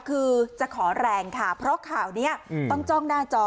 คือจะขอแรงค่ะเพราะข่าวนี้ต้องจ้องหน้าจอ